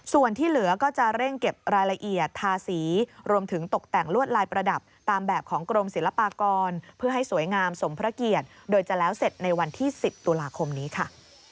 ส่วนที่เหลือก็จะเร่งเก็บรายละเอียดทาสีรวมถึงตกแต่งลวดลายประดับตามแบบของกรมศิลปากรเพื่อให้สวยงามสมพระเกียรติโดยจะแล้วเสร็จในวันที่๑๐ตุลาคมนี้ค่ะ